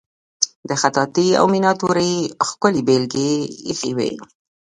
د خطاطی او میناتوری ښکلې بیلګې ایښې وې.